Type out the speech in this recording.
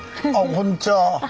こんにちは。